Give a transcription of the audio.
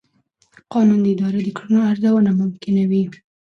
قانون د ادارې د کړنو ارزونه ممکنوي.